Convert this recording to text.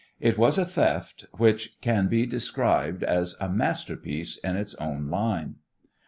It was a theft which can be described as a masterpiece in its own line.